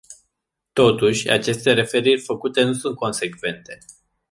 Totuși, aceste referiri făcute nu sunt consecvente.